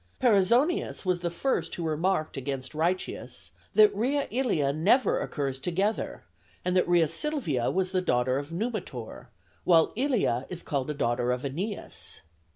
Perizonius was the first who remarked against Ryccius that Rea Ilia never occurs together, and that Rea Silvia was a daughter of Numitor, while Ilia is called a daughter of Æneas.